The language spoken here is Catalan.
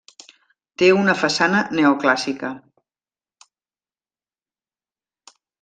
Té una façana neoclàssica.